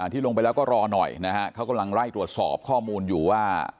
ที่ลงไปแล้วก็รอหน่อยนะฮะเขากำลังไล่ตรวจสอบข้อมูลอยู่ว่า